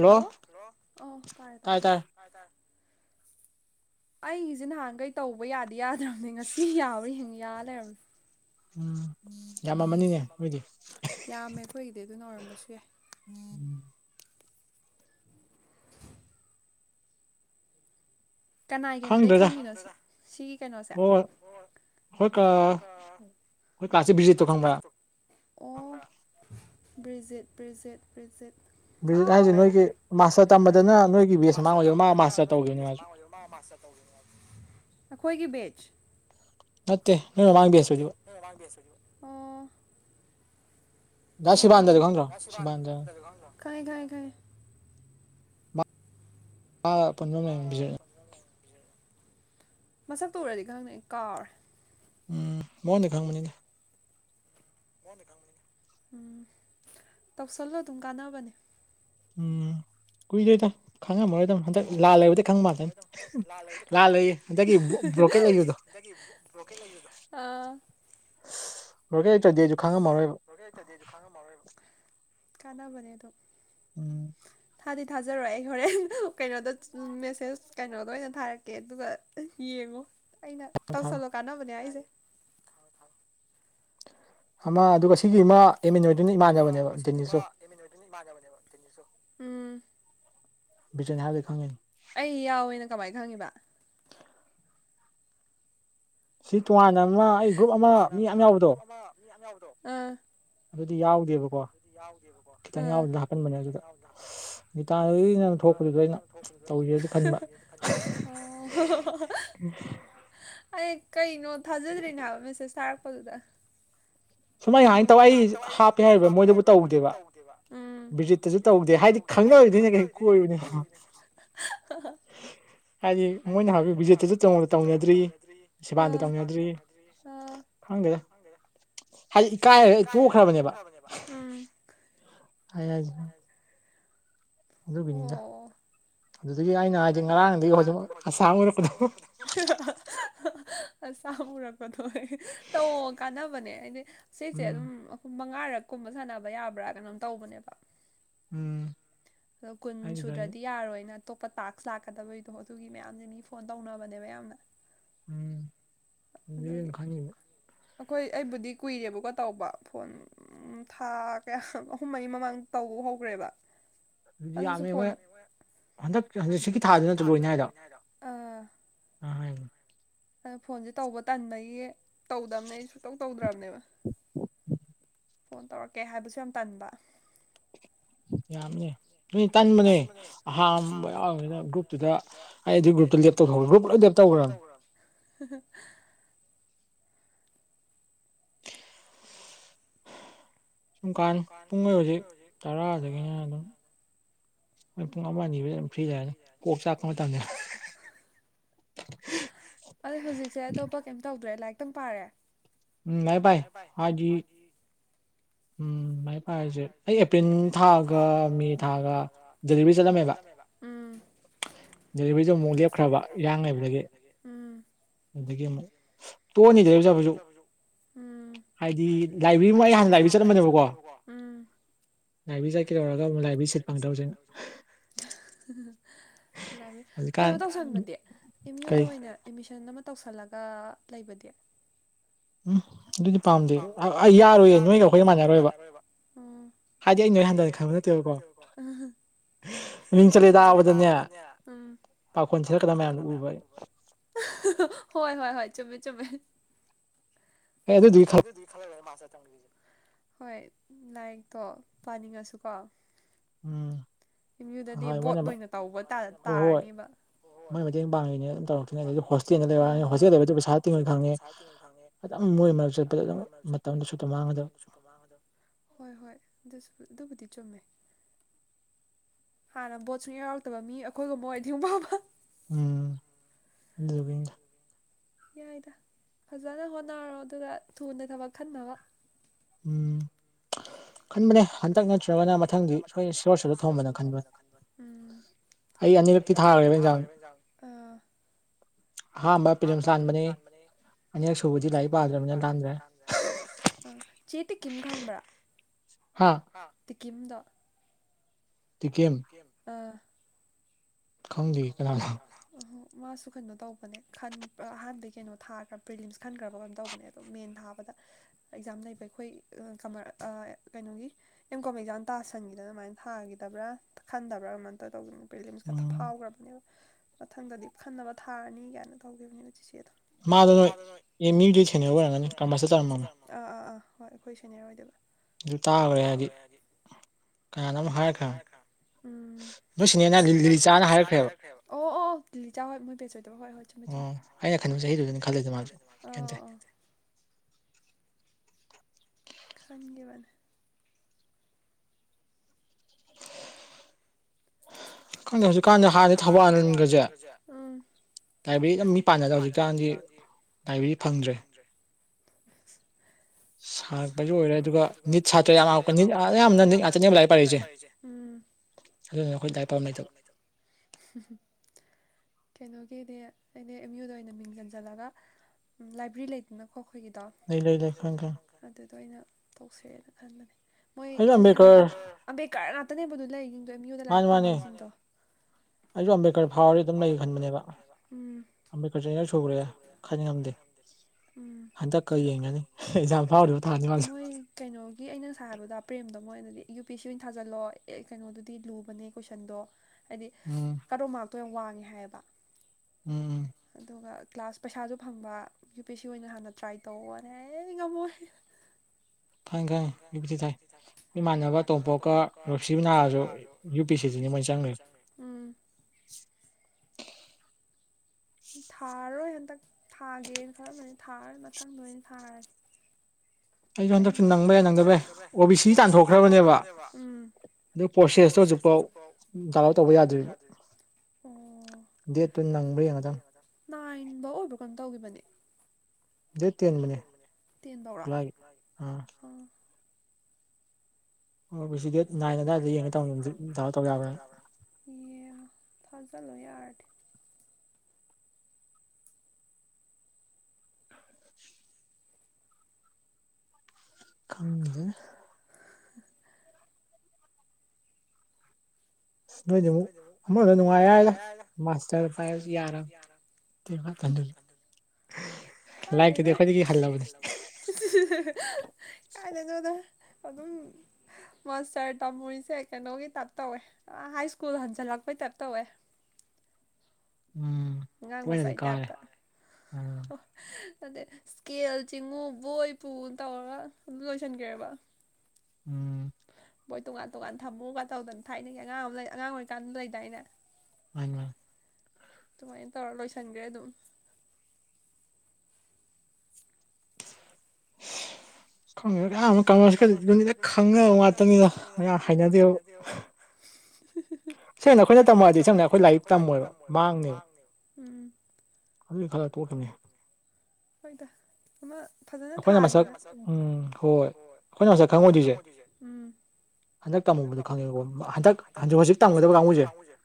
hello ꯑ ꯇꯥꯏꯌꯦ ꯇꯥꯏ ꯑꯩꯁꯦ ꯅꯍꯥꯟꯈꯩ ꯇꯧꯕ ꯌꯥꯗꯤ ꯌꯥꯗ꯭ꯔꯕꯅꯦ ꯉꯁꯤ ꯌꯥꯕ꯭ꯔꯥ ꯍꯉ ꯌꯥꯂ ꯌꯥꯝꯃꯦ ꯑꯩꯈꯣꯏꯒꯤꯗꯤ ꯑꯗꯨꯅ ꯑꯣꯏꯎꯔꯝꯕꯁꯨ ꯌꯥꯏ ꯎꯝ ꯀꯅꯥ ꯀꯩꯅꯣꯗꯩ ꯈꯪꯉꯤꯅꯣꯁꯦ ꯁꯤꯒꯤ ꯀꯩꯅꯣꯁꯦ ꯍꯣꯏ ꯀꯥ ꯍꯣꯏ ꯀꯥꯥꯁꯦ ꯕꯤꯖꯤꯠꯇꯣ ꯈꯪꯕ꯭ꯔꯥ ꯑꯣ ꯭ꯔꯖꯤꯠ ꯕ꯭ꯔꯖꯤꯠ ꯕ꯭ꯔꯖꯤꯠ ꯕ꯭ꯔꯤꯖꯤꯠ ꯍꯥꯏꯁꯤꯦ ꯅꯣꯏꯒꯤ ꯃꯥꯁꯇꯔ ꯇꯝꯕꯗꯅ ꯅꯣꯏꯒꯤ ꯕꯦꯁ ꯃꯃꯥꯡ ꯑꯣꯏꯗꯕ ꯃꯥ ꯃꯥꯁꯇꯔ ꯇꯧꯈꯤꯕ ꯅꯨꯡꯥꯏ ꯈꯣꯏꯒꯤ ꯦꯖ ꯃꯠꯇꯦ ꯎ ꯁꯤꯕꯥꯥꯟꯟꯗꯔꯦ ꯈꯪꯗ꯭ꯔꯣ ꯁꯤꯕꯥꯗ ꯀꯥꯏ ꯀꯥꯏ ꯀꯥꯏ ꯑꯥ ꯄꯟꯕ ꯃ ꯃꯁꯛꯛꯇ ꯎꯔꯗꯤ ꯈꯪꯗ ꯀꯥꯔ ꯎꯝ ꯃꯉꯗ ꯈꯪ ꯃꯅꯤꯡ ꯎꯝ ꯇꯧꯁꯜꯂꯣ ꯑꯗꯨꯝ ꯀꯥꯟꯅꯕꯅꯦ ꯎꯝ ꯀꯏꯗꯦꯗ ꯈꯥꯉꯦ ꯃꯣꯔꯗꯝ ꯍꯟꯗꯛ ꯂꯥꯜ ꯂꯩꯕꯗꯤ ꯈꯪꯕꯜꯗꯅꯤ ꯂꯥꯜ ꯂꯩꯌꯦ ꯍꯟꯗꯛꯀꯤ ꯕ꯭ꯔꯣꯀꯦꯠ ꯂꯩꯈꯤꯕꯗꯣ ꯑꯥ ꯑꯣꯩ ꯀꯥꯟꯅꯕꯅꯦ ꯑꯗꯨ ꯎꯝ ꯊꯥꯗꯤ ꯊꯥꯖꯔꯣꯏ ꯑꯩ ꯍꯣꯔꯦꯟ ꯀꯩꯅꯣꯗ ꯃꯦꯁꯦꯁ ꯀꯩꯅꯣꯗ ꯑꯣꯏꯅ ꯊꯥꯔꯛꯀꯦ ꯑꯗꯨꯒ ꯌꯦꯡ ꯑꯩꯅ ꯇꯧꯁꯜꯂꯣ ꯀꯥꯟꯅꯕꯅꯦ ꯑꯩꯁꯦ ꯑꯃ ꯑꯗꯨꯒ ꯁꯤꯒꯤ ꯑꯃ ꯑꯃ ꯑꯗꯨꯒ ꯁꯤꯗꯤ ꯏ ꯃꯥ ꯑꯦꯃꯤꯟꯗꯨꯅꯤ ꯃꯥꯡꯕꯅꯦꯕ ꯇꯤꯟꯅꯤꯁꯨ ꯕꯤꯆꯅꯤ ꯍꯥꯗꯤ ꯈꯪꯉꯅꯤ ꯑꯩ ꯌꯥꯎꯋꯦꯅ ꯀꯃꯥꯏꯅ ꯈꯪꯉꯕ ꯁꯤ ꯇꯣꯉꯥꯟꯅ ꯑꯃ ꯑꯩ ꯒ꯭ꯔꯨꯞ ꯑꯃ ꯃꯤꯌꯥꯝ ꯌꯥꯎꯕꯗꯣ ꯑꯥ ꯑꯗꯨꯗꯤ ꯌꯥꯎꯗꯦꯕꯀꯣ ꯈꯤꯇꯪ ꯌꯥꯎꯕꯅ ꯍꯥꯞꯄꯟꯕꯅꯦ ꯑꯗꯨꯗ ꯇꯥꯟ ꯅꯪ ꯊꯣꯛꯄꯗꯨꯗ ꯑꯩꯅ ꯇꯧ ꯑꯣ ꯑꯩ ꯀꯩꯅꯣ ꯊꯥꯖꯗ꯭ꯔꯤꯅꯦ ꯍꯥꯏꯕ ꯃꯦꯁꯦꯁ ꯊꯥꯔꯛꯄꯗꯨꯗ ꯁꯨꯃꯥꯏ ꯍꯥꯏꯥꯟꯅ ꯇꯋꯥꯏ ꯍꯥꯞꯄꯦ ꯍꯥꯏ ꯍꯥꯞꯄꯦ ꯍꯥꯏꯔꯤꯕ ꯃꯣꯏꯗꯕꯨ ꯇꯧꯗꯦꯕ ꯕꯤꯖꯤꯠꯇꯁꯨ ꯇꯧꯗꯦ ꯍꯥꯏꯗꯤ ꯈꯪꯗꯔꯔꯤꯗꯣꯏꯅꯦ ꯀꯩ ꯀꯨꯏꯗꯅ [inaudible] ꯍꯥꯏꯗꯤ ꯃꯣꯏꯅ ꯍꯧꯚꯠꯇꯅꯗ꯭ꯔꯤ ꯇꯗ꯭ꯔꯤ ꯈꯪꯗꯦ ꯍꯥꯏꯗꯤ ꯏꯀꯥꯏꯔꯒ ꯑꯩ ꯇꯣꯛꯈ꯭ꯔꯕꯅꯦꯕ ꯎꯝ ꯌꯥꯖ ꯑꯗꯨꯒꯅꯤꯗ ꯑꯗꯨꯗꯒꯤ ꯑꯩꯅ ꯍꯥꯏꯁꯦ ꯉꯔꯥꯡꯗꯒꯤ ꯍꯧꯖꯤꯛ ꯑꯁꯥꯝ ꯑꯣꯏꯔꯛꯄꯗ ꯑ ꯆꯃꯔꯛꯄꯗꯣ ꯇꯧ ꯀꯥꯟꯅꯕꯅꯦ ꯍꯥꯏꯗꯤ ꯁꯤꯁꯦ ꯑꯗꯨꯝ ꯉꯥꯔꯛ ꯀꯨꯝꯕ ꯁꯥꯟꯅꯕ ꯌꯥꯕ꯭ꯔꯥ ꯀꯩꯅꯣꯝ ꯇꯧꯕꯅꯦꯕ ꯎꯝ ꯑꯗꯣ ꯀꯨꯟ ꯁꯨꯗ꯭ꯔꯗꯤ ꯌꯥꯔꯣꯏꯅ ꯑꯇꯣꯞꯄ ꯇꯥꯛꯁ ꯂꯥꯛꯀꯗꯕꯒꯤꯗꯣ ꯑꯗꯨꯒꯤ ꯃꯌꯥꯝꯁꯤ ꯃꯤ ꯐꯣꯟ ꯇꯧꯅꯕꯅꯦꯕ ꯌꯥꯝꯅ ꯎꯝ ꯈꯅꯤꯕ ꯑꯩꯈꯣꯏ ꯑꯩꯕꯨꯗꯤ ꯀꯨꯏꯔꯦꯕꯀꯣ ꯇꯧꯕ ꯐꯣꯟ ꯎꯝ ꯊꯥ ꯀꯌꯥ ꯑꯍꯨꯝ ꯃꯔꯤ ꯃꯃꯥꯡ ꯇꯧꯕ ꯍꯧꯈ꯭ꯔꯦꯕ ꯑꯗꯨꯗꯤ ꯌꯥꯝꯃꯦ ꯍꯣꯏ ꯍꯟꯗꯛ ꯍꯟꯗꯛ ꯁꯤꯀꯤ ꯊꯥꯗꯨ ꯅꯠꯇ ꯂꯣꯏꯅꯤ ꯍꯥꯏꯗ ꯑ ꯑ ꯐꯣꯟꯁꯦ ꯇꯧꯕ ꯇꯟꯕꯒꯤ ꯇꯧꯗꯕꯅꯦ ꯇꯧ ꯇꯧꯗ꯭ꯔꯕꯅꯦꯕ ꯐꯣꯟ ꯇꯧꯔꯛꯀꯦ ꯍꯥꯏꯕꯁꯨ ꯌꯥꯝ ꯇꯟꯕ ꯌꯥꯝꯅꯦ ꯅꯣꯏ ꯇꯟꯕꯅꯦ ꯑꯍꯝꯕ ꯌꯥꯎꯕꯅꯤꯅ ꯒ꯭ꯔꯨꯞꯇꯨꯗ ꯑꯩ ꯑꯗꯨ ꯒ꯭ꯔꯨꯞꯇꯨ ꯂꯦꯞ ꯇꯧꯊ ꯒ꯭ꯔꯨꯞ ꯂꯣꯏ ꯂꯦꯞ ꯇꯧ ꯠꯇ ꯁꯨꯝ ꯀꯥꯟ ꯄꯨꯡꯈꯩ ꯍꯧꯖꯤꯛ ꯇꯔꯥꯗꯒꯤꯅ ꯑꯗꯨꯝ ꯃꯅꯤꯕ ꯐ꯭ꯔꯤꯖꯅ ꯀꯣꯛ ꯆꯥꯛꯄ ꯃꯇꯝꯗ ꯑꯗ ꯍꯧꯖꯤꯛꯁꯦ ꯑꯇꯣꯞꯄ ꯀꯩ ꯇꯧꯗ꯭ꯔꯦ ꯂꯥꯏꯔꯤꯛꯛꯇꯪ ꯄꯥꯔꯦ ꯎꯝ ꯃꯚꯥꯏ ꯍꯖꯤ ꯎꯝ ꯍꯥꯏꯁꯦ ꯑꯩ ꯑꯦꯄ꯭ꯔꯤꯜ ꯊꯥꯒ ꯃꯦ ꯊꯥꯒ ꯗꯦꯂꯤꯚꯔꯤ ꯆꯠꯂꯝꯃꯦꯕ [unintelligible] ꯗꯦꯂꯤꯚꯔꯤꯗꯨꯣ ꯑꯃꯨꯛ ꯂꯦꯞꯈ꯭ꯔꯕ ꯏꯔꯥꯡ ꯂꯩꯕꯗꯒꯤ ꯑꯗꯒꯤ ꯑꯃꯨꯛ ꯇꯣꯛꯑꯅꯤꯗꯕꯖꯥꯕꯁꯨ ꯍꯥꯏꯗꯤ ꯂꯥꯏꯕ꯭ꯔꯦꯔꯤꯃ ꯑꯩ ꯍꯥꯟꯅ ꯂꯥꯏꯕ꯭ꯔꯦꯔꯤ ꯆꯠꯂꯝꯕꯅꯦꯕꯀꯣ ꯂꯥꯏꯕꯤ ꯆꯠꯀ ꯇꯧꯔꯒ ꯑꯃꯨꯛ ꯂꯥꯏꯕꯤ ꯁꯤꯠ ꯐꯪꯗꯧꯁꯤꯅ ꯂꯥꯛꯅꯤ ꯀꯩꯅꯣ ꯇꯧꯁꯟꯕꯗꯤ ꯑꯦꯝ ꯌꯨꯗ ꯑꯣꯏꯅ ꯑꯦꯃꯤꯁꯟ ꯑꯃ ꯇꯧꯁꯜꯂꯒ ꯂꯩꯕꯗꯤ ꯎꯝ ꯑꯗꯨꯗꯤ ꯄꯥꯝꯗꯦ ꯑꯩ ꯌꯥꯔꯣꯏꯌꯦꯦ ꯅꯣꯏꯒ ꯑꯩꯈꯣꯏꯒ ꯃꯥꯟꯅꯔꯣꯏꯕ ꯎ ꯍꯥꯏꯗꯤ ꯑꯩ ꯅꯣꯏ ꯍꯥꯟꯗꯋꯥ ꯈꯪꯕ ꯅꯠꯇꯦꯕꯀꯣ ꯕꯗꯅꯦꯥꯈꯣꯟꯂꯛꯀꯗ ꯃꯌꯥꯝ ꯎꯕ ꯍꯣꯏ ꯍꯣꯏ ꯍꯣꯏ ꯆꯃꯦ ꯆꯃꯦ ꯈ ꯍꯣꯏ ꯂꯥꯏꯔꯤꯛꯇꯣ ꯄꯥꯅꯤꯡꯉꯁꯨ ꯀꯣ ꯎꯝ ꯌ ꯌꯨꯗꯗꯤ ꯕꯣꯠ ꯑꯣꯏꯅ ꯇꯧꯕ ꯇꯥꯔꯅꯦꯕ ꯍ ꯍꯣꯏ ꯃꯇꯦꯡ ꯄꯥꯡꯉꯤꯅꯦ ꯄꯩꯁꯥ ꯇ ꯈꯪꯉꯦ ꯑꯗꯨꯣꯏ ꯆꯄ ꯃꯇꯝꯥꯡ ꯍ ꯍꯣꯏꯕꯨ ꯆꯨꯝꯃꯦ ꯍꯥꯟꯅ ꯕꯣꯠ ꯁꯨꯡ ꯌꯥꯎꯔꯛꯇꯕ ꯃꯤ ꯑꯩꯈꯣꯏꯒꯨꯝꯕꯣꯏꯗꯤ ꯄꯥꯕ ꯎꯝ ꯑꯗꯨꯒ ꯌꯥꯏꯗ ꯐꯖꯅ ꯍꯣꯠꯅꯔꯣ ꯑꯗꯨꯗ ꯊꯨꯅ ꯊꯕꯛ ꯈꯟꯅꯕ ꯎꯝ ꯈꯟꯕꯅꯦ ꯍꯟꯗꯛ ꯅꯠꯇ꯭ꯔꯒꯅ ꯃꯊꯪꯁꯤꯣꯏ ꯁꯂꯣꯔ ꯁꯂ ꯊꯝꯕꯅ ꯈꯟꯕꯅꯦ ꯑꯩ ꯑꯅꯤꯔꯛꯇꯤ ꯊꯥꯈꯦꯕ ꯏꯟꯖꯥꯡ ꯍꯥꯥ ꯃ ꯄꯦꯝ ꯁꯥꯟ ꯃꯅꯤ ꯆꯦꯇꯝ ꯈꯥꯎꯕ ꯇꯀꯤꯝꯗ ꯑ ꯈꯪꯗ ꯀꯅꯥ ꯑ ꯃꯥꯁꯨ ꯀꯩꯅꯣ ꯇꯧꯕꯅꯦ ꯈꯟ ꯑꯍꯥꯟꯕꯩ ꯀꯩꯅꯣ ꯊꯥꯈ꯭ꯔꯥ ꯄ꯭ꯔꯤꯂꯤꯝꯁ ꯈꯟꯈ꯭ꯔꯕ ꯀꯩꯅꯣ ꯇꯧꯕꯅꯦ ꯑꯗꯨꯝ ꯃꯦꯟ ꯊꯥꯕꯗ ꯑꯦꯛꯖꯥꯝ ꯂꯩꯕ ꯑꯩꯈꯣꯏ ꯀꯩꯅꯣꯒꯤ ꯑꯦꯝ ꯀꯣꯝ ꯑꯦꯛꯖꯥꯝ ꯇꯥꯁꯟꯈꯤꯗꯅ ꯑꯗꯨꯃꯥꯏꯅ ꯊꯥꯈꯤꯗꯕ꯭ꯔꯥ ꯈꯟꯗꯕ꯭ꯔꯥ ꯀꯃꯥꯏ ꯇꯧ ꯇꯧ ꯄꯦꯦꯟꯁꯀ ꯐꯥꯎꯈ꯭ꯔꯕꯅꯦꯕ ꯃꯊꯪꯗꯗꯤ ꯈꯟꯅꯕ ꯊꯥꯔꯅꯤ ꯀꯥꯏꯅ ꯇꯧꯈꯤꯕꯅꯦꯅ ꯆꯤꯆꯦꯗꯣ ꯃꯥꯗ ꯅꯣꯏ ꯥ ꯍꯣꯏ ꯑꯩꯈꯣꯏ ꯁꯔꯣꯏꯗ ꯑꯗꯨ ꯇꯥꯈ꯭ꯔꯦ ꯍꯥꯏꯗꯤ ꯀꯅꯥꯅꯣ ꯑꯃ ꯍꯥꯏꯈ꯭ꯔꯦ ꯅꯣꯏꯁꯤꯅꯦꯅ ꯂꯤꯂꯤꯆꯥꯅ ꯍꯥꯏꯔꯛꯈ꯭ꯔꯦꯕ ꯑꯣ ꯑꯣ ꯍꯣꯏ ꯃꯣꯏ ꯄꯦꯣꯏꯗꯕ ꯍꯣꯏ ꯍꯣꯏꯨꯝꯃꯦꯨꯝꯃꯦ [unintelligible] ꯈꯟꯒꯤ ꯈꯪꯗꯦ ꯍꯧꯖꯤꯛꯀꯥꯟꯁ ꯍꯥꯟꯅꯦ ꯊꯕꯥꯛꯜꯍꯟꯒꯁꯦ ꯂꯥꯏꯕ꯭ꯔꯦꯔꯤ ꯌꯥꯝ ꯃꯤ ꯄꯥꯟꯅꯗ ꯍꯧꯖꯤꯛꯀꯥꯟꯗꯤ ꯂꯥꯏꯕ꯭ꯔꯦꯔꯤ ꯐꯪꯗ꯭ꯔꯦ [unintelligible] ꯁꯥꯔꯛꯄꯁꯨ ꯑꯣꯏꯔꯦ ꯑꯗꯨꯒ ꯅꯤꯠ ꯁꯥꯇ꯭ꯔ ꯌꯥꯝꯉꯛꯄ ꯅꯤꯠ ꯑꯌꯥꯝꯕꯅ ꯅꯤꯠ ꯉꯥꯛꯇꯅꯦꯕ ꯂꯥꯏꯔꯤꯛ ꯄꯥꯏꯔꯛꯏꯁꯦ ꯑꯗꯨ ꯅ ꯑꯩꯈꯣꯏ ꯂꯏ ꯄ [unintelligible] ꯂꯩꯇꯦ ꯀꯩꯅꯣꯒꯤꯅꯦ ꯑꯩꯅ ꯑꯦꯝ ꯌꯨꯗ ꯑꯣꯏꯅ ꯃꯤꯡ ꯆꯟꯁꯤꯜꯂꯒ ꯂꯥꯏꯕ꯭ꯔꯦꯔꯤ ꯂꯩꯗꯅꯣ ꯑꯩꯈꯣꯏꯒꯤꯗ ꯑꯗꯨꯗꯣ ꯑꯩꯅ ꯇꯧꯁꯔꯦꯅ ꯈꯟꯕꯅꯦ ꯃꯣꯏ ꯏꯆꯦꯁꯦ ꯁꯥꯟꯅꯗ ꯑꯝꯕꯦꯀꯥꯔ ꯉꯥꯛꯇꯅꯦꯕꯗꯨ ꯂꯩꯁꯤꯡꯗꯣ ꯃꯤꯏꯗ ꯂꯥꯏꯔꯤꯛ ꯄꯥꯅꯩꯁꯤꯡꯗꯣ ꯑꯩꯁꯨ ꯑꯝꯕꯦꯗꯀꯔ ꯍꯥꯎꯔꯤ ꯑꯗꯨꯝ ꯂꯩ ꯈꯟꯕꯅꯦꯕ ꯑꯝꯕꯦꯗꯀꯔꯁꯦ ꯑꯩ ꯁꯨꯈ꯭ꯔꯦ ꯈꯥꯏꯅꯤꯡ ꯉꯝꯗꯦ ꯎꯝ ꯃꯣꯏ ꯀꯩꯅꯣꯒꯤ ꯑꯩꯅ ꯁꯥꯕꯗ ꯄ꯭ꯔꯦꯝꯗ ꯣꯏꯅꯗꯤ ꯌꯨ ꯄꯤ ꯑꯦꯁ ꯁꯤ ꯑꯣꯏꯅ ꯊꯥꯖꯜꯂꯣ ꯑꯦ ꯀꯩꯅꯣꯗꯨꯗꯤ ꯂꯨꯕꯅꯦ ꯀꯣꯏꯁꯟꯗꯣ ꯍꯥꯏꯗꯤ ꯀꯔꯣ ꯃꯥꯔ ꯇꯣ ꯌꯥꯝ ꯋꯥꯡꯉꯦ ꯍꯥꯏꯌꯦꯕ ꯎꯝ ꯀ꯭ꯂꯥꯁ ꯄꯩꯁꯥꯁꯨ ꯐꯪꯕ ꯌꯨ ꯄꯤ ꯁꯤ ꯑꯣꯏꯅ ꯍꯥꯟꯅ ꯇ꯭ꯔꯥꯏ ꯇꯧꯅꯦꯍ ꯉꯝꯃꯣꯏ ꯈꯪꯦ ꯈꯪꯉꯦꯤ ꯊꯥꯏ ꯏꯃꯥꯟꯅꯕ ꯇꯣꯝꯄꯣꯛꯀ ꯔꯣꯛꯁꯤꯕꯤꯅꯥꯔꯁꯨ ꯌꯨ ꯄꯤ ꯁꯤꯁꯤꯅꯦ ꯎꯝ ꯊꯥꯔꯣꯏ ꯍ ꯃꯟꯊꯛ ꯊꯥꯒꯦꯅ ꯈꯔꯅ ꯊꯥꯔ ꯃꯊꯪꯗꯣꯏ ꯑꯣꯏꯅ ꯊꯥꯔꯁꯤ ꯍꯟꯗꯛꯁꯨ ꯅꯪꯕ꯭ꯔꯦ ꯅꯪꯕꯕꯦ ꯑꯣ ꯕꯤ ꯁꯤꯗꯤ ꯇꯥꯟꯊꯣꯛꯈ꯭ꯔꯕꯅꯦꯕ ꯑꯗꯨ ꯄ꯭ꯔꯣꯁꯦꯁꯇꯣ ꯍꯧꯖꯤꯛꯐꯥꯎ ꯗꯥꯎꯟꯂꯣꯗ ꯇꯧꯕ ꯌꯥꯗꯣꯏꯔꯤꯕ ꯗꯦꯠꯇꯨ ꯅꯪꯕ꯭ꯔꯥ ꯌꯦꯡꯉꯗꯪ ꯅꯥꯏꯟꯐꯧ ꯑꯣꯏꯕ꯭ꯔꯥ ꯀꯩꯅꯝ ꯇꯧꯈꯤꯕꯅꯤꯧ ꯎꯝ ꯅꯥꯏꯡ ꯇꯕ꯭ꯔꯥꯉ ꯈꯪꯗ [unintelligible] ꯅꯣꯏꯗꯤ ꯑꯃꯨꯛ ꯑꯃꯗ ꯅꯨꯡꯉꯥꯏꯗ ꯃꯥꯁꯇꯔ ꯄꯥꯏꯕꯁꯨ ꯌꯥꯔꯕ ꯊꯔꯕꯥ ꯊ [unintelligible] ꯀꯥꯏꯗ ꯀꯥꯏꯗꯗꯣꯗ ꯑꯗꯨꯝ ꯃꯥꯁꯇꯔ ꯇꯝꯃꯨꯔꯤꯁꯦ ꯀꯩꯅꯣꯒꯤ ꯇꯥꯏꯞ ꯇꯧꯋꯦ ꯍꯥꯏꯀꯨꯜ ꯁ꯭ꯀꯨꯜ ꯍꯟꯖꯜꯂꯛꯄꯩꯇ ꯇꯧꯋꯦ ꯑꯉꯥꯡ ꯃꯆꯥ ꯏ ꯇꯥꯇ ꯑꯗ ꯏꯁꯀꯦꯜ ꯆꯤꯡꯉꯨ ꯕꯣꯏ ꯄꯨꯅ ꯇꯧꯔꯒ ꯑꯗꯨꯝ ꯂꯣꯏꯁꯤꯟꯈ꯭ꯔꯦꯕ ꯎꯝ ꯣꯏ ꯇꯣꯉꯥꯟ ꯇꯣꯉꯥꯟ ꯊꯝꯃꯣꯒ ꯇꯧꯗꯅ ꯊꯥꯏꯅꯒꯤ ꯑꯉꯥꯡ ꯑꯃ ꯂꯩ ꯑꯉꯥꯡ ꯑꯣꯏꯔꯤꯀꯥꯟꯗ ꯂꯩꯗꯥꯏꯩꯅ ꯑ ꯑꯗꯨꯃꯥꯏꯅ ꯇꯧꯔ ꯂꯣꯏꯁꯟꯒ꯭ꯔꯦ ꯑꯗꯨꯝ [unintelligible] ꯪꯉ ꯑꯌꯥꯝꯕ ꯀꯃꯔꯁꯤꯀ ꯅꯨꯃꯤꯅ ꯈꯪꯕ ꯉꯥꯛꯇꯅꯤꯅ ꯍꯥꯏꯅꯗꯦꯕ ꯁꯦꯡꯅ ꯑꯩꯈꯣꯏꯅ ꯇꯝꯃꯑꯗꯤ ꯁꯦꯡꯅ ꯑꯩꯈꯣꯏ ꯂꯥꯏꯔꯤꯛ ꯇꯝꯃꯣꯏꯕ ꯃꯥꯡꯅꯦꯕ ꯑꯜ ꯈꯔ ꯀꯣꯀꯅꯦ ꯍꯣꯏꯗ ꯑꯃ ꯑꯩꯈꯣꯏꯅ ꯃꯁꯛ ꯎꯝ ꯍꯣꯏ ꯀ ꯁ ꯈꯥ ꯋꯥ ꯊꯤꯁꯦ ꯍꯟꯗꯛ ꯇꯝꯃꯨꯕꯗꯨꯣ ꯈꯪꯉꯦꯕꯣ ꯍꯟꯗꯛꯖꯤꯛ ꯍꯧꯖꯤꯛ ꯇꯝꯒꯗꯕ ꯀꯥꯡꯕꯨꯁꯦ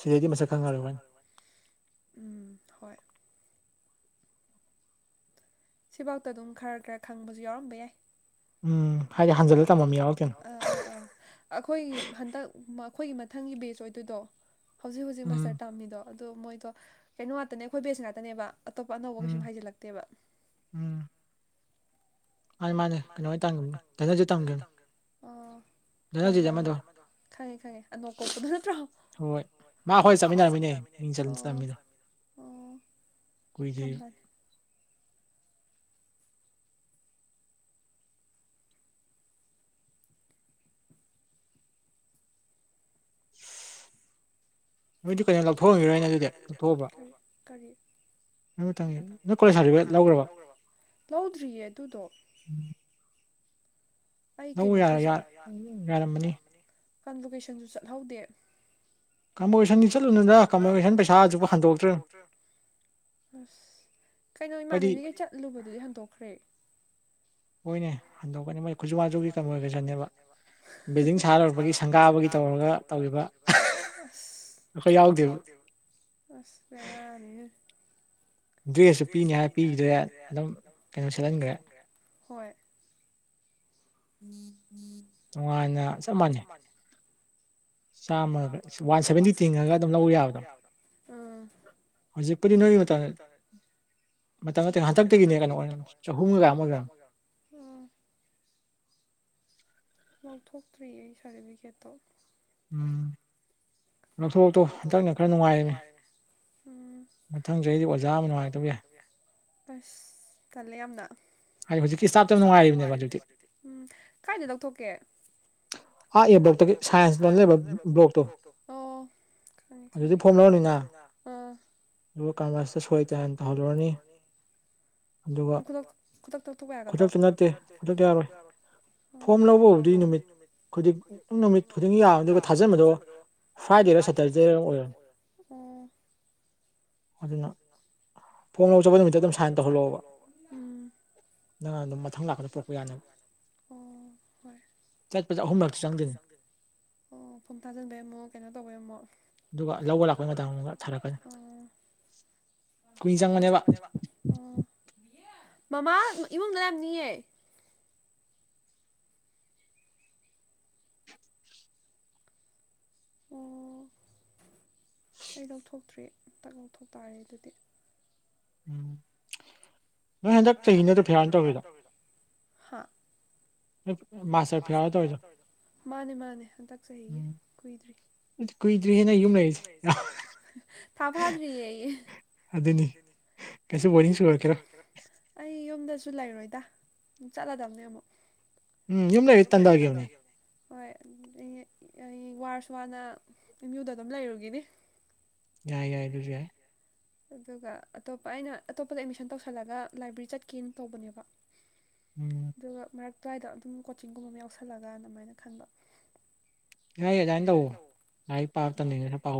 ꯁꯤꯗꯩꯗꯤ ꯃꯁꯛ ꯈꯪꯉ ꯋꯥꯅꯤ ꯎꯝ ꯍꯣꯏ ꯁꯤꯐꯥꯎꯗ ꯑꯗꯨꯝ ꯈꯔ ꯈꯔ ꯈꯪꯕꯁꯨ ꯌꯥꯎꯔꯝꯕ ꯌꯥꯏ ꯎꯝ ꯑꯩꯈꯣꯏ ꯍꯟꯗꯛ ꯑꯩꯈꯣꯏꯒꯤ ꯃꯊꯪꯒꯤ ꯕꯦꯁ ꯑꯣꯏꯗꯣꯏꯗꯣ ꯍꯧꯖꯤꯛ ꯍꯧꯖꯤꯛ ꯃꯥꯁꯇꯔ ꯇꯥꯝꯃꯤꯗꯣ ꯑꯗꯣ ꯃꯣꯏꯗꯣ ꯀꯩꯅꯣ ꯉꯥꯛꯇꯅꯦ ꯑꯩꯈꯣꯏ ꯕꯦꯁ ꯉꯥꯛꯇꯅꯦꯕ ꯑꯇꯣꯞꯄ ꯑꯅꯧꯕ ꯀꯩꯁꯨꯝ ꯍꯥꯏꯖꯤꯜꯂꯛꯇꯦꯕ ꯃꯥꯅꯤ ꯃꯥꯅꯦ ꯀꯩꯅꯣꯅꯤꯁꯨꯒꯅꯤ ꯎ ꯍꯣꯏ ꯍꯣꯏ ꯍꯣꯏ ꯈꯪꯉꯦ ꯈꯪꯉꯦ ꯑ ꯅꯣꯛꯀꯣꯛꯄꯗꯨ ꯅꯠꯇ꯭ꯔꯣ ꯃꯥ ꯍꯣꯏ ꯆꯠꯃꯤꯟꯅꯔꯝꯃꯤꯅꯦ ꯃꯤꯡ ꯆꯠ ꯆꯠꯂꯝꯝꯃꯤꯗ ꯑꯣ ꯀꯣꯏꯖ [unintelligible] ꯃꯣꯏꯗꯤ ꯀꯩꯅꯣ ꯂꯧꯊꯣꯛꯑꯝꯒꯔꯣꯏꯅꯦ ꯑꯗꯨꯗꯤ ꯂꯧꯊꯣꯛꯑꯕ ꯪ ꯅꯣꯏ ꯀꯣꯂꯦꯖ ꯁꯥꯔꯇꯤꯐꯤꯀꯦꯠ ꯂꯧꯈ꯭ꯔꯕ ꯂꯧꯗ꯭ꯔꯤꯌꯦ ꯑꯗꯨꯗꯣ ꯂꯧ ꯌꯥꯔ ꯌꯥꯔꯝꯃꯅꯤ ꯀꯟꯚꯣꯀꯦꯁꯟꯁꯨ ꯆꯠꯍꯧꯗꯦ ꯀꯝꯄꯣꯖꯤꯁꯟꯅꯤ ꯆꯠꯂꯨꯅꯗ ꯀꯝꯄꯣꯖꯤꯁꯟ ꯄꯩꯁꯥ ꯑꯁꯨꯄ ꯍꯟꯗꯣꯛꯇ꯭ꯔꯦ ꯑꯁ ꯀꯩꯅꯣ ꯏꯃꯥꯟꯅꯕꯤꯈꯩ ꯆꯠꯂꯨꯕꯗꯨꯗꯤ ꯍꯟꯗꯣꯛꯈ꯭ꯔꯦ ꯍꯣꯏꯅꯦ ꯍꯟꯗꯣꯛꯀꯅꯤ ꯃꯣꯏ ꯣꯏ ꯈꯨꯠꯁꯨꯁꯨꯒꯤ ꯀ ꯆꯦꯕ ꯑꯗꯨꯡ ꯁꯥ ꯂꯔꯛꯄꯒꯤ ꯁꯪꯒꯥꯕꯒꯤ ꯇꯧꯔꯒ ꯇꯧꯔꯤꯕ ꯐ ꯑꯩꯈꯣꯏ ꯌꯥꯎꯗꯦꯕ ꯑꯁ ꯄꯔꯅꯤ ꯗ꯭ꯔꯦꯁꯁꯨ ꯄꯤꯅꯤ ꯍꯥꯏ ꯄꯤꯈꯤꯗ꯭ꯔꯦ ꯑꯗꯨꯝ ꯀꯩꯅꯣ ꯁꯦꯠꯍꯟꯈ꯭ꯔꯦ ꯍꯣꯏ ꯎꯝ ꯅꯨꯡꯉꯥꯏꯅ ꯆꯞ ꯃꯥꯟꯅꯩ ꯆꯥꯝꯃ ꯋꯥꯟ ꯁꯚꯦꯟꯇꯤ ꯊꯤꯡꯉꯒ ꯑꯗꯨꯝ ꯂ ꯌꯥꯕꯗꯣ ꯎ ꯍꯧꯖꯤꯛ ꯀꯗꯤ ꯅꯃꯤ ꯃ ꯇꯅꯦ ꯃꯇꯝꯊꯪ ꯃꯇꯝꯊꯪ ꯍꯟꯇꯛꯇꯒꯤꯅꯦ ꯀꯩꯅꯣ ꯑꯣꯏ ꯆꯍꯨꯝꯒ ꯑꯃꯒ ꯂꯧꯊꯣꯛꯇ꯭ꯔꯤꯌꯦ ꯑꯩ ꯁꯥꯔꯇꯤꯐꯤꯀꯦꯠꯇꯣ ꯎꯝ ꯂꯧꯊꯂꯛꯇꯣ ꯍꯟꯇꯛꯅ ꯈꯔ ꯅꯨꯡꯉꯥꯏꯔꯅꯤ ꯃꯊꯪ ꯆꯍꯤ ꯑꯩꯗꯤ ꯑꯣꯖꯥ ꯑꯃ ꯅꯨꯡꯉꯥꯏꯇꯕ ꯌꯥꯏ ꯑꯁ ꯀꯜꯂꯦ ꯌꯥꯝꯅ ꯎ ꯀꯥꯏꯅ ꯂꯧꯊꯣꯛꯀꯦ ꯥ ꯕ꯭ꯂꯣꯛ ꯁꯥꯏꯟꯁ ꯂ ꯂꯩꯕ ꯭ꯂꯣꯛ ꯑꯗꯨꯗꯤ ꯐꯣꯝ ꯂꯧꯔꯅꯤꯅ ꯑꯗꯨꯒ ꯀꯒꯁꯇ ꯁꯣꯏ ꯇꯅ ꯇꯧꯍꯧꯗꯔꯅꯤ ꯑꯗꯨꯒ ꯈꯨꯗꯛꯇ ꯇꯧꯕ ꯌꯥꯒꯗ꯭ꯔꯣꯠꯇ ꯐꯣꯝ ꯂꯧꯕ ꯍꯧꯕꯨꯗꯤ ꯅꯨꯃꯤꯠ ꯈꯨꯗꯤ ꯅꯨꯃꯤꯠ ꯈꯨꯗꯤꯡ ꯌꯥꯝ ꯑꯗꯨꯒ ꯊꯥꯖꯟꯕꯗꯣ ꯐ꯭ꯔꯥꯏ ꯐꯥꯏꯚꯔꯣ ꯁꯠꯇꯔꯔ ꯑꯣꯏꯔꯣ ꯝ ꯁꯥꯏ ꯍꯜꯕ ꯅꯪꯔ ꯑꯗꯨꯝ ꯃꯊꯪ ꯂꯥꯛꯄꯗ ꯄꯔꯛꯄ ꯌꯥꯅꯕ ꯑꯣ ꯐꯨꯝ ꯊꯥꯖꯤꯟꯕꯝꯃꯣ ꯀꯩꯅꯣ ꯇꯧꯕꯩꯝꯃꯣ ꯑꯗꯨꯒ ꯂꯧꯕ ꯂꯥꯛꯄꯩ ꯃꯇꯥꯡ ꯑꯃꯒ ꯊꯥꯔꯛꯀꯅꯤꯨ ꯀꯖ ꯃꯅꯦꯕ ꯑꯣ ꯃꯃꯥ ꯏꯃꯨꯡꯗ ꯌꯥꯝ ꯌꯦ ꯑꯣ ꯑꯩ ꯂꯧꯊꯣꯛꯇ꯭ꯔꯤ ꯑꯝꯇꯛ ꯂꯧꯊꯣꯛ ꯇꯥꯔꯦ ꯑꯗꯨꯗꯤ ꯎꯝ ꯅꯣꯏ ꯍꯟꯗꯛ ꯆꯍꯤꯅꯗ ꯐꯔꯅ ꯇꯧꯋꯗꯣ ꯃꯥꯅꯦ ꯃꯥꯅꯦ ꯍꯟꯗꯛ ꯆꯍꯤꯒꯤꯦ ꯀꯨꯏꯗ꯭ꯔꯤ ꯐꯥ ꯐꯥꯗꯔꯤ ꯑꯗꯨꯅꯤ ꯀꯩꯁꯨ ꯕꯣꯔꯤꯡ ꯁꯨꯔꯛꯀꯦꯔꯥ ꯑꯩ ꯌꯨꯝꯗꯁꯨ ꯂꯩꯔꯣꯏꯗ ꯆꯠꯂꯗꯝꯕꯅꯦ ꯑꯃꯨꯛ [inaudible] ꯑꯩ ꯋꯥꯔꯁꯨ ꯋꯥꯅ ꯌꯨꯗ ꯑꯗꯨꯝ ꯂꯩꯔꯨꯒꯤꯅꯤ ꯌꯥꯏ ꯌꯥꯏ ꯑꯗꯨꯁꯨ ꯌꯥꯏ ꯑꯗꯨꯒ ꯑꯇꯣꯞꯄ ꯑꯩꯅ ꯑꯇꯣꯞꯄꯗ ꯑꯦꯠꯃꯤꯁꯟ ꯇꯧꯁꯜꯂꯒ ꯂꯥꯏꯕ꯭ꯔꯦꯔꯤ ꯆꯠꯀꯦꯅ ꯇꯧꯕꯅꯦꯕ ꯑꯗꯨꯒ ꯃ ꯑꯗꯨ꯭ꯋꯥꯏꯗ ꯑꯗꯨꯝ ꯀꯣꯆꯤꯡꯒꯨꯝꯕ ꯑꯃ ꯌꯥꯎꯁꯜꯂꯒ ꯑꯗꯨꯃꯥꯏꯅ ꯈꯟꯕ ꯉꯥꯏ ꯑꯗꯨꯃꯥꯏꯅ ꯇꯧꯋ ꯉꯥꯏꯥꯏ ꯄꯥꯛꯔꯇꯅꯤꯅ ꯄ